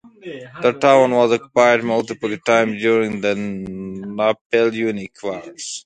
The town was occupied multiple times during the Napoleonic Wars.